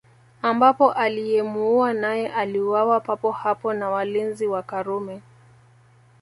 Ambapo aliyemuua naye aliuawa papo hapo na walinzi wa Karume